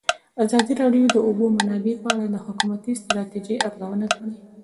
ازادي راډیو د د اوبو منابع په اړه د حکومتي ستراتیژۍ ارزونه کړې.